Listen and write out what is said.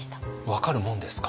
分かるもんですか？